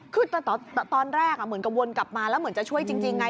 คือตอนแรกเหมือนกับวนกลับมาแล้วเหมือนจะช่วยจริงไง